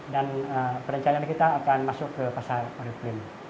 dan perencanaan kita akan masuk ke pasar oriflame